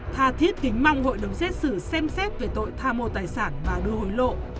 tha thiết kính mong hội đồng xét xử xem xét về tội tha mô tài sản và đưa hối lộ